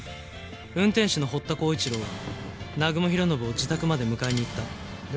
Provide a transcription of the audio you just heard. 運転手の堀田浩一郎が南雲弘伸を自宅まで迎えに行った。